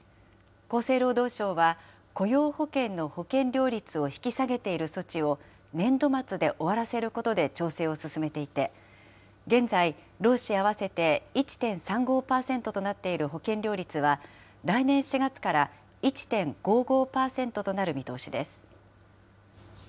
厚生労働省は、雇用保険の保険料率を引き下げている措置を、年度末で終わらせることで調整を進めていて、現在、労使合わせて１．３５％となっている保険料率は、来年４月から１．５５％となる見通しです。